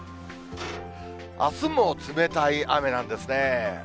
あすも冷たい雨なんですね。